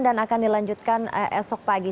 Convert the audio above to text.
dan akan dilanjutkan esok pagi